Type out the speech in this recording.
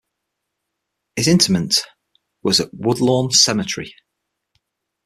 His interment was at Woodlawn Cemetery.